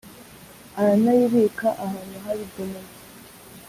aranayibika ahantu habigenewe.